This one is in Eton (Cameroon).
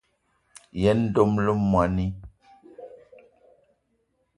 Yen dom le moní.